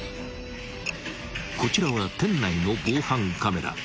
［こちらは店内の防犯カメラ］